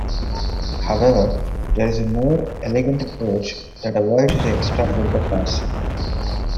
However, there is a more elegant approach that avoids the extra filter pass.